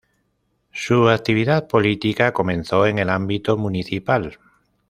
Su actividad política comenzó en el ámbito municipal.